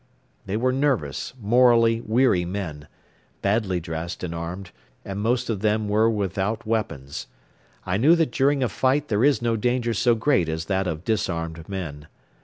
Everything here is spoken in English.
They were nervous, morally weary men, badly dressed and armed and most of them were without weapons. I knew that during a fight there is no danger so great as that of disarmed men.